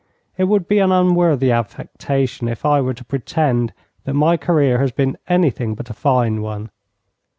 It would be an unworthy affectation if I were to pretend that my career has been anything but a fine one.